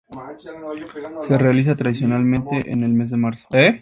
Se realiza tradicionalmente en el mes de marzo.